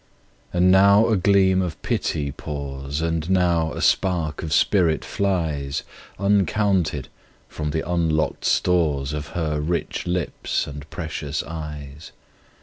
And now a gleam of pity pours, And now a spark of spirit flies, Uncounted, from the unlock'd storesOf her rich lips and precious eyes.